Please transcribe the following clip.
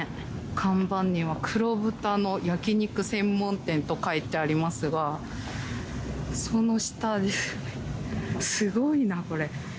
看板には黒豚の焼き肉専門店と書いてありますが、その下、すごいな、これ。